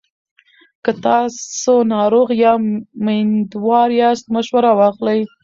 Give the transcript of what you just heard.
که تاسو ناروغ یا میندوار یاست، مشوره واخلئ.